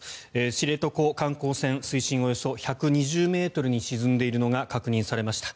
知床観光船水深およそ１２０ｍに沈んでいるのが確認されました。